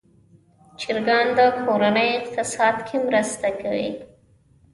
چرګان د کورنۍ اقتصاد کې مرسته کوي.